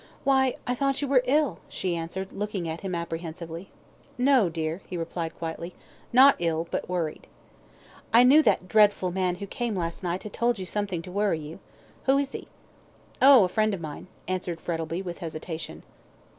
"Why, I thought you were ill," she answered, looking at him apprehensively. "No, dear," he replied, quietly. "Not ill, but worried." "I knew that dreadful man who came last night had told you something to worry you. Who is he?" "Oh! a friend of mine," answered Frettlby, with hesitation.